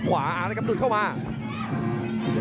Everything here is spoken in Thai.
ขวางท่านบ่อเพชรเด่งตี